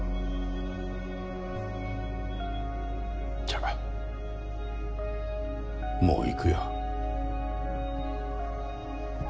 じゃあもう行くよ。